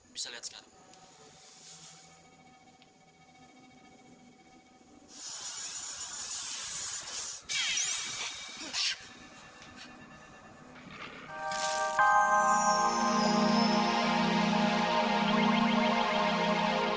wandi sekarang ada di mana